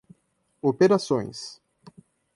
operações